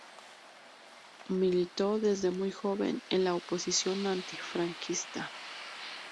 Militó desde muy joven en la oposición antifranquista.